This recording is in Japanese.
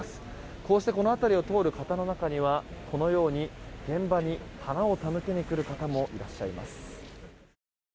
こうしてこの辺りを通る方の中には、このように現場に花を手向けに来る方もいらっしゃいます。